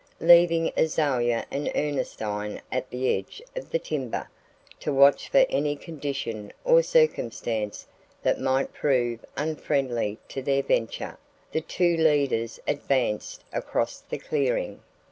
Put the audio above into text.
Leaving Azalia and Ernestine at the edge of the timber to watch for any condition or circumstance that might prove unfriendly to their venture, the two leaders advanced across the clearing.